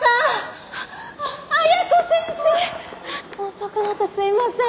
遅くなってすみません。